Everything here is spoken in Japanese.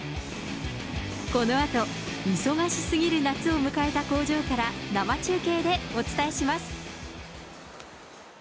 このあと、忙しすぎる夏を迎えた工場から、生中継でお伝えします。